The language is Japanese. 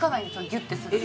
ギュッてすると。